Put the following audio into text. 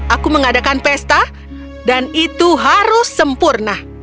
aku mengadakan pesta dan itu harus sempurna